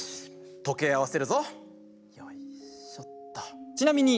時計合わせるぞ、よいしょっと。